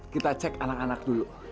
kita cek anak anak dulu